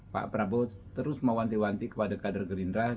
pak prabowo terus mewanti wanti kepada kader gerindra